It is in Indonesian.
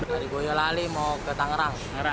dari boyolali mau ke tangerang